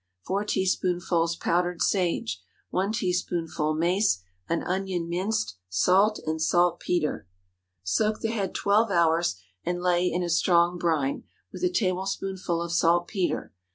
4 teaspoonfuls powdered sage. 1 teaspoonful mace. An onion minced. Salt and saltpetre. Soak the head twelve hours, and lay in a strong brine, with a tablespoonful of saltpetre.